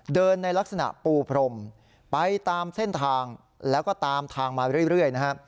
ในลักษณะปูพรมไปตามเส้นทางแล้วก็ตามทางมาเรื่อยนะฮะ